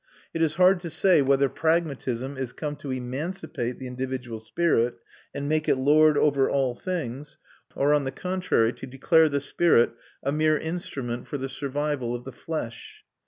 It is hard to say whether pragmatism is come to emancipate the individual spirit and make it lord over things, or on the contrary to declare the spirit a mere instrument for the survival of the flesh.